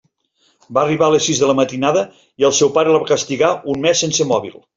Va arribar a les sis de la matinada i el seu pare la va castigar un mes sense mòbil.